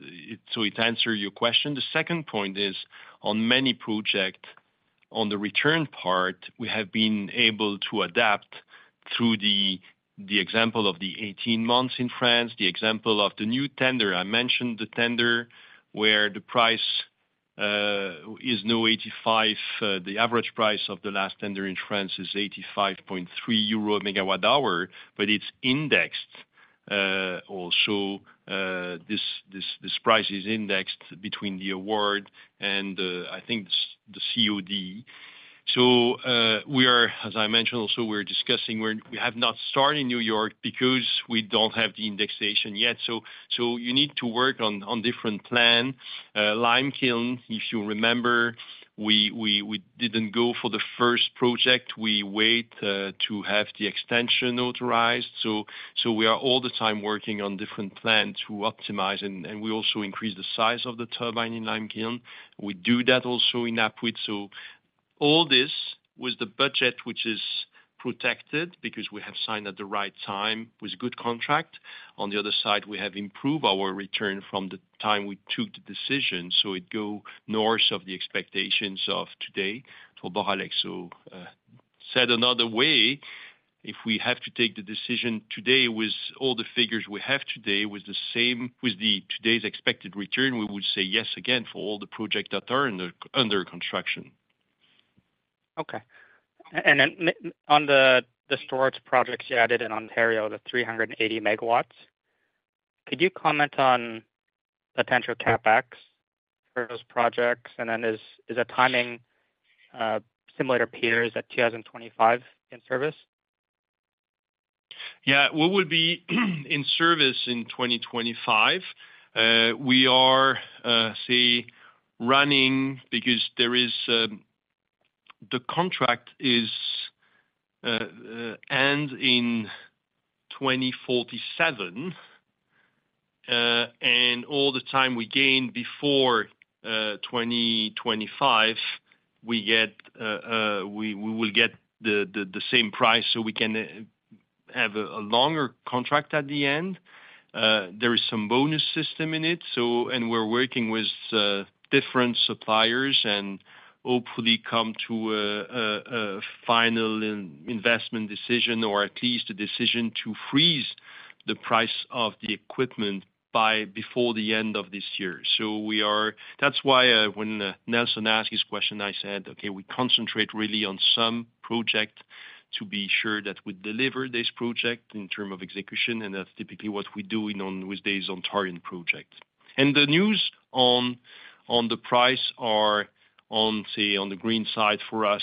it's... It answers your question. The second point is, on many projects, on the return part, we have been able to adapt through the, the example of the 18 months in France, the example of the new tender. I mentioned the tender, where the price, is now 85. The average price of the last tender in France is 85.3 euro megawatt hour, but it's indexed, also, this price is indexed between the award and, I think, the COD. We are, as I mentioned also, we're discussing. We have not started New York because we don't have the indexation yet, you need to work on different plan. Limekiln, if you remember, we didn't go for the first project. We wait to have the extension authorized. We are all the time working on different plans to optimize, and we also increase the size of the turbine in Limekiln. We do that also in Apuiat. All this with the budget, which is protected because we have signed at the right time, with good contract. On the other side, we have improved our return from the time we took the decision, so it go north of the expectations of today for Boralex. Said another way, if we have to take the decision today with all the figures we have today, with the same, with the today's expected return, we would say yes again for all the projects that are under, under construction. Okay. And then on the, the storage projects you added in Ontario, the 380 megawatts, could you comment on potential CapEx for those projects? Is the timing similar to peers at 2025 in service? Yeah, we would be in service in 2025. We are, say, running because there is, the contract is, end in 2047, and all the time we gain before, 2025, we get, we will get the same price, so we can have a longer contract at the end. There is some bonus system in it, so. We're working with different suppliers and hopefully come to a final investment decision, or at least a decision to freeze the price of the equipment by before the end of this year. That's why, when Nelson asked his question, I said, "Okay, we concentrate really on some project to be sure that we deliver this project in term of execution," and that's typically what we're doing on, with this Ontario project. The news on, on the price are on, say, on the green side for us,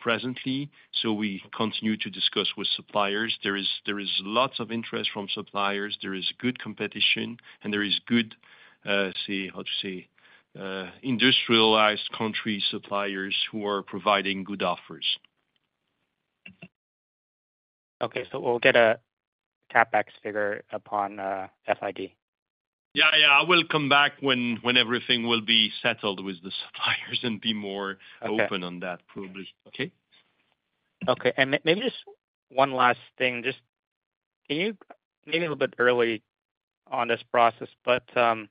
presently, so we continue to discuss with suppliers. There is, there is lots of interest from suppliers, there is good competition, and there is good, say, how to say, industrialized country suppliers who are providing good offers. Okay, we'll get a CapEx figure upon FID? Yeah, yeah, I will come back when, when everything will be settled with the suppliers and be more- Okay. open on that probably. Okay? Okay, maybe just one last thing. Just can you, maybe a little bit early on this process, but some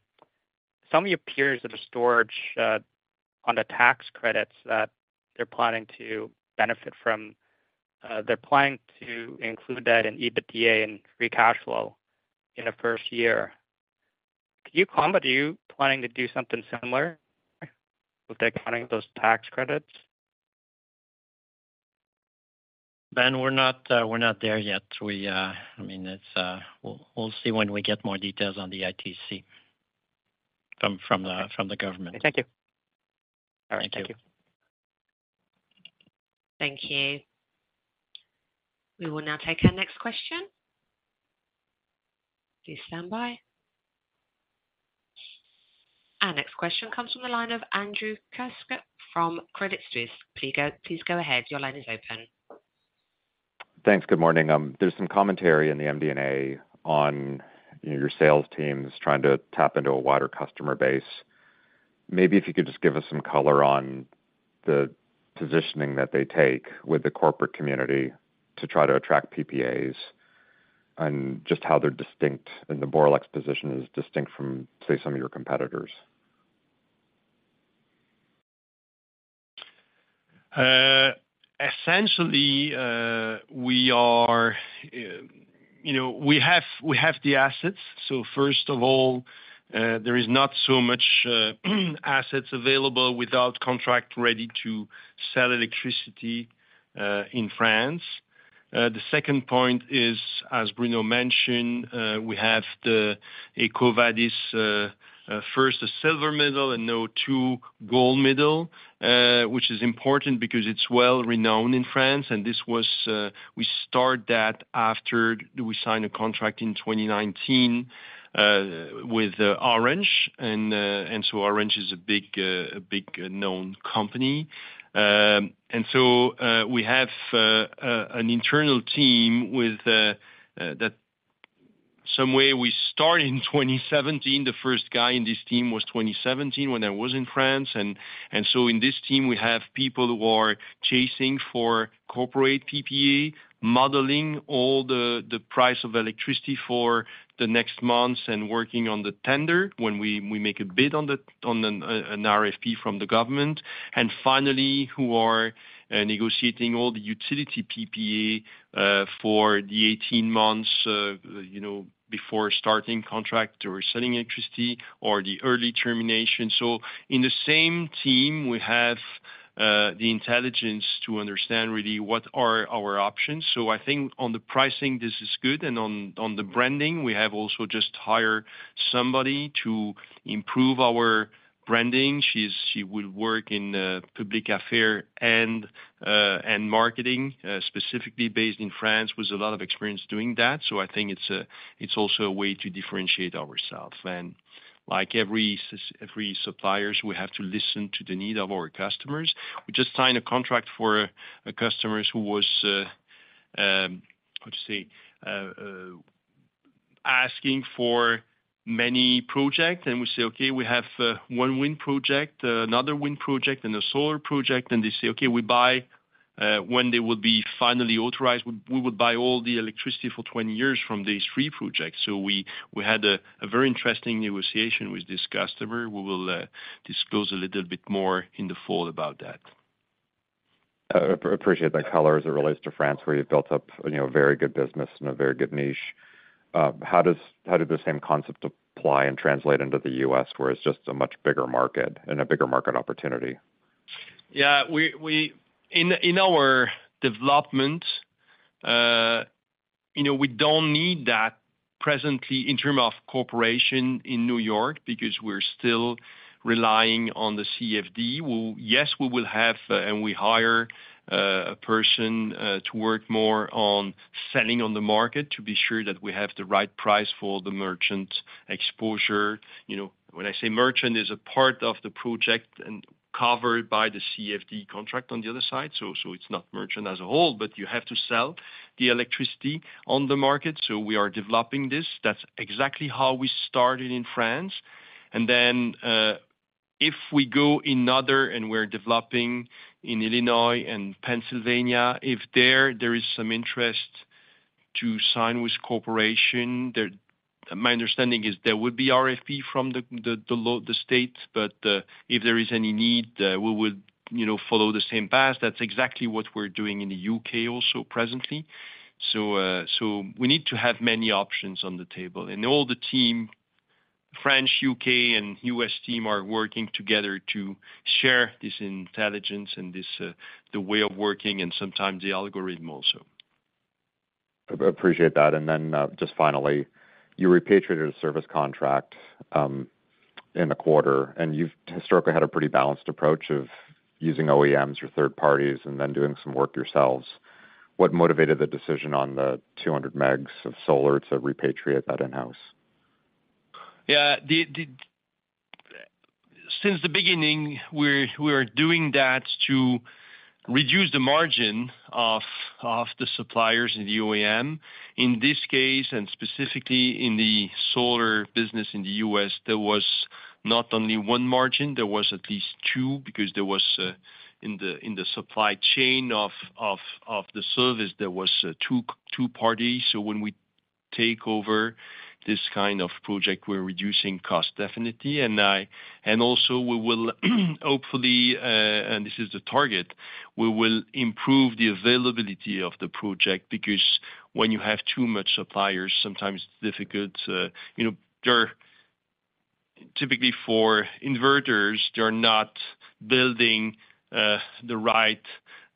of your peers at the storage, on the tax credits that they're planning to benefit from, they're planning to include that in EBITDA and free cash flow in the first year. Can you comment, are you planning to do something similar with the accounting of those tax credits? Ben, we're not, we're not there yet. We, I mean, we'll, we'll see when we get more details on the ITC from the government. Thank you. All right. Thank you. Thank you. Thank you. We will now take our next question. Please stand by. Our next question comes from the line of Andrew Kuske from Credit Suisse. Please go ahead. Your line is open. Thanks. Good morning. There's some commentary in the MD&A on, you know, your sales teams trying to tap into a wider customer base. Maybe if you could just give us some color on the positioning that they take with the corporate community to try to attract PPAs, and just how they're distinct, and the Boralex position is distinct from, say, some of your competitors? Essentially, you know, we are, we have, we have the assets. First of all, there is not so much assets available without contract, ready to sell electricity in France. The second point is, as Bruno mentioned, we have the EcoVadis, first, a silver medal and now 2 gold medal, which is important because it's well-renowned in France, and this was, we start that after we sign a contract in 2019 with Orange. So Orange is a big, a big known company. So, we have an internal team with that somewhere we start in 2017, the first guy in this team was 2017 when I was in France. So in this team, we have people who are chasing for corporate PPA, modeling all the, the price of electricity for the next months, and working on the tender, when we, we make a bid on an RFP from the government. Finally, who are negotiating all the utility PPA for the 18 months, you know, before starting contract or selling electricity or the early termination. In the same team, we have the intelligence to understand really what are our options. I think on the pricing, this is good, and on the branding, we have also just hire somebody to improve our branding. She will work in public affairs and marketing, specifically based in France, with a lot of experience doing that. I think it's also a way to differentiate ourselves. Like every suppliers, we have to listen to the need of our customers. We just signed a contract for a customers who was, how to say, asking for many project, and we say, "Okay, we have one wind project, another wind project, and a solar project." They say, "Okay, we buy when they will be finally authorized, we, we would buy all the electricity for 20 years from these three projects." We, we had a very interesting negotiation with this customer. We will disclose a little bit more in the fall about that. appreciate that color as it relates to France, where you've built up, you know, a very good business and a very good niche. How did the same concept apply and translate into the U.S., where it's just a much bigger market and a bigger market opportunity? Yeah, we, in our development, you know, we don't need that presently in term of corporation in New York, because we're still relying on the CFD. We, yes, we will have, and we hire, a person, to work more on selling on the market, to be sure that we have the right price for the merchant exposure. You know, when I say merchant is a part of the project and covered by the CFD contract on the other side. It's not merchant as a whole, but you have to sell the electricity on the market. We are developing this. That's exactly how we started in France. If we go in other and we're developing in Illinois and Pennsylvania, if there, there is some interest to sign with corporation, my understanding is there would be RFP from the state. If there is any need, we would, you know, follow the same path. That's exactly what we're doing in the U.K. also presently. We need to have many options on the table. All the team, French, U.K., and U.S. team, are working together to share this intelligence and this, the way of working and sometimes the algorithm also. Appreciate that. Then, just finally, you repatriated a service contract, in the quarter, and you've historically had a pretty balanced approach of using OEMs or third parties and then doing some work yourselves. What motivated the decision on the 200 MW of solar to repatriate that in-house? Yeah, since the beginning, we're, we are doing that to reduce the margin of, of the suppliers in the OEM. In this case, and specifically in the solar business in the US, there was not only one margin, there was at least two, because there was in the, in the supply chain of, of, of the service, there was two, two parties. When we take over this kind of project, we're reducing cost, definitely. Also we will, hopefully, and this is the target, we will improve the availability of the project, because when you have too much suppliers, sometimes it's difficult. You know, there are typically for inverters, they're not building the right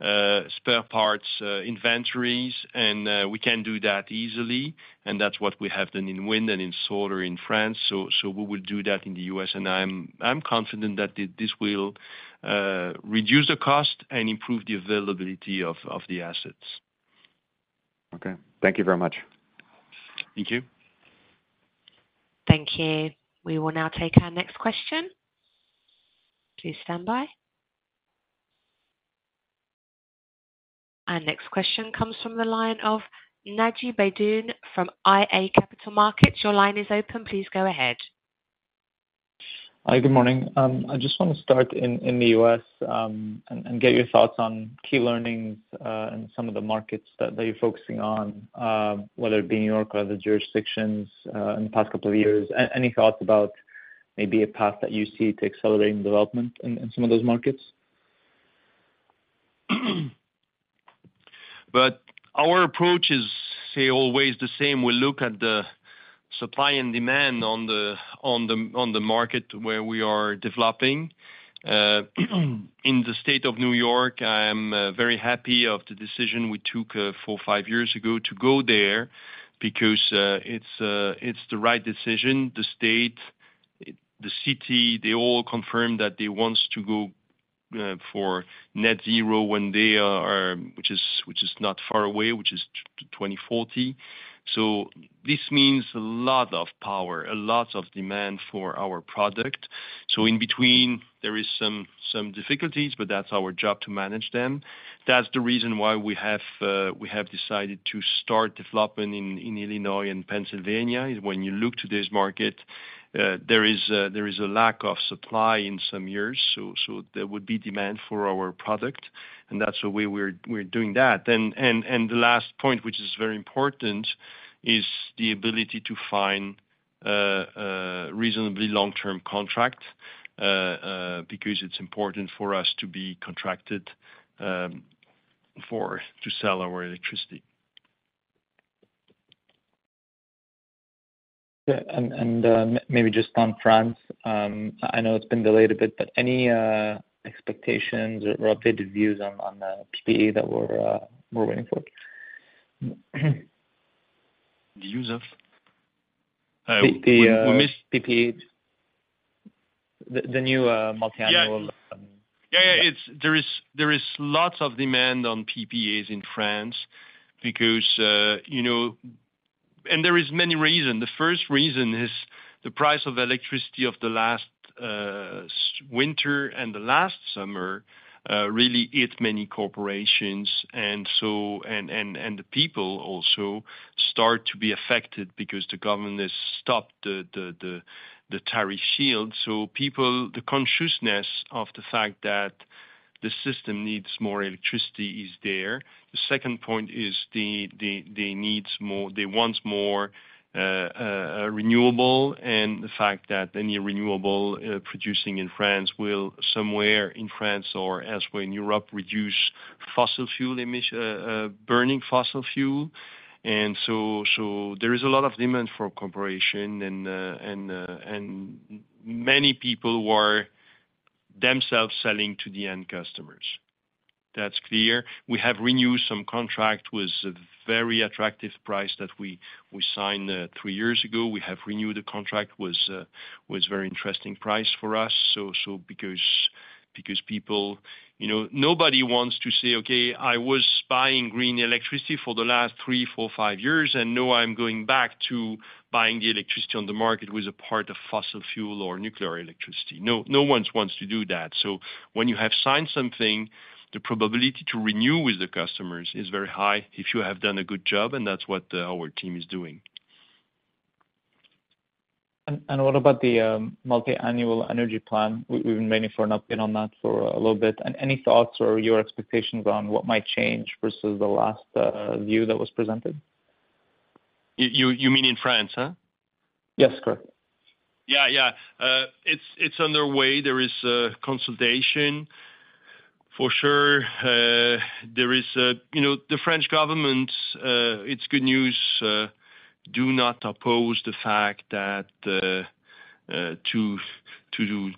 spare parts inventories. We can do that easily, and that's what we have done in wind and in solar, in France. We will do that in the U.S., and I'm confident that this will reduce the cost and improve the availability of the assets. Okay, thank you very much. Thank you. Thank you. We will now take our next question. Please stand by. Our next question comes from the line of Naji Baydoun from iA Capital Markets. Your line is open. Please go ahead. Hi, good morning. I just want to start in, in the U.S., and get your thoughts on key learnings, and some of the markets that you're focusing on, whether it be New York or other jurisdictions, in the past couple of years. Any thoughts about maybe a path that you see to accelerating development in, in some of those markets? Our approach is still always the same. We look at the supply and demand on the market where we are developing. In the state of New York, I am very happy of the decision we took four, five years ago to go there because it's the right decision. The state, the city, they all confirmed that they wants to go for net zero one day, which is not far away, which is 2040. This means a lot of power, a lot of demand for our product. In between, there is some, some difficulties, but that's our job to manage them. That's the reason why we have decided to start development in Illinois and Pennsylvania. When you look to this market, there is a lack of supply in some years, so there would be demand for our product, and that's the way we're doing that. The last point, which is very important, is the ability to find reasonably long-term contract, because it's important for us to be contracted, to sell our electricity. Yeah, and, maybe just on France, I know it's been delayed a bit, but any expectations or updated views on, on the PPA that we're, we're waiting for? Views of? we missed- The, PPAs. The, the new, Multiannual- Yeah. Yeah, yeah, there is, there is lots of demand on PPAs in France because, you know, and there is many reason. The first reason is the price of electricity of the last winter and the last summer really hit many corporations. So, and, and, and the people also start to be affected because the government has stopped the, the, the, the tariff shield. People, the consciousness of the fact that the system needs more electricity is there. The second point is they, they want more renewable, and the fact that any renewable producing in France will somewhere in France or elsewhere in Europe, reduce burning fossil fuel. There is a lot of demand for cooperation and and many people who are themselves selling to the end customers. That's clear. We have renewed some contract with a very attractive price that we, we signed three years ago. We have renewed a contract, was very interesting price for us. Because, because people. You know, nobody wants to say, "Okay, I was buying green electricity for the last three, four, five years, and now I'm going back to buying the electricity on the market with a part of fossil fuel or nuclear electricity." No, no one wants to do that. When you have signed something, the probability to renew with the customers is very high if you have done a good job, and that's what our team is doing. And what about the Multiannual Energy Plan? We, we've been waiting for an update on that for a little bit. Any thoughts or your expectations on what might change versus the last view that was presented? You mean in France, huh? Yes, correct. Yeah, yeah. It's, it's underway. There is a consultation. For sure, there is a— You know, the French government, it's good news, do not oppose the fact that to, to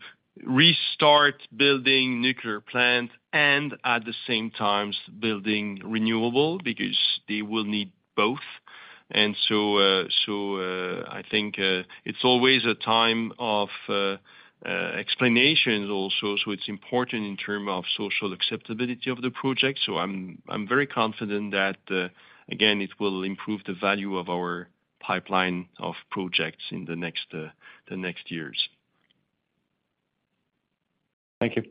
restart building nuclear plants and at the same time, building renewable, because they will need both. So I think it's always a time of explanations also. So it's important in term of social acceptability of the project. So I'm, I'm very confident that again, it will improve the value of our pipeline of projects in the next, the next years. Thank you.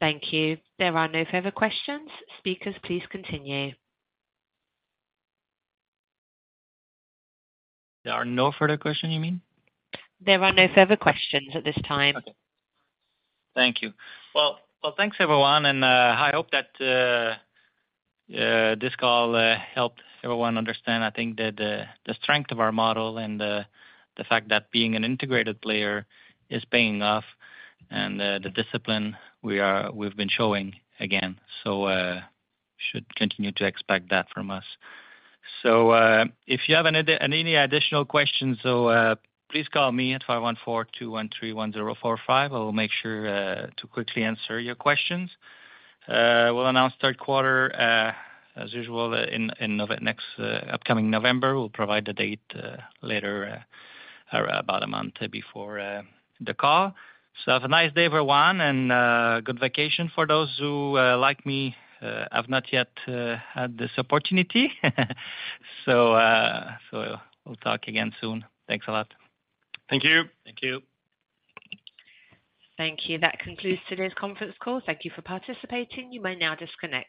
Thank you. There are no further questions. Speakers, please continue. There are no further question, you mean? There are no further questions at this time. Okay. Thank you. Well, well, thanks, everyone. I hope that this call helped everyone understand, I think that the strength of our model and the fact that being an integrated player is paying off, and the discipline we are- we've been showing again. Should continue to expect that from us. If you have any, any additional questions, please call me at 514-213-1045. I will make sure to quickly answer your questions. We'll announce third quarter, as usual, in, in Nove- next, upcoming November. We'll provide the date later, or about a month before the call. Have a nice day, everyone, and good vacation for those who, like me, have not yet, had this opportunity. we'll talk again soon. Thanks a lot. Thank you. Thank you. Thank you. That concludes today's conference call. Thank you for participating. You may now disconnect.